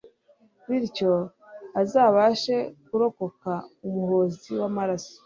bityo azabashe kurokoka umuhozi w'amaraso